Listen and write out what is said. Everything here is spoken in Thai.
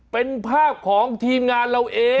เป็นภาพของทีมงานเราเอง